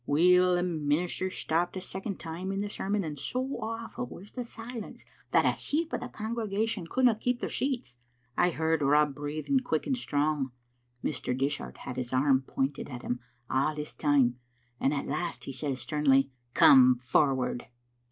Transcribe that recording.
Weel, the minis ter stopped a second time in the sermon, and so awful was the silence that a heap o* the congregation couldna keep their seats. I heard Rob breathing quick and strong. Mr. Dishart had his arm pointed at him a' this time, and at last he says sternly, 'Come forward.'